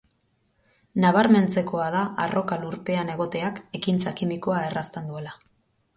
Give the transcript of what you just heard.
Nabarmentzekoa da arroka lurpean egoteak ekintza kimikoa errazten duela.